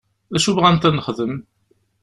D acu bɣant ad nexdem?